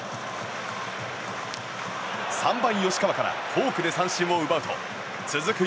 ３番、吉川からフォークで三振を奪うと続く